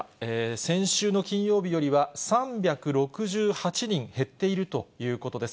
先週の金曜日よりは３６８人減っているということです。